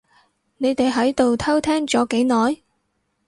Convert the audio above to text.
你哋喺度偷聽咗幾耐？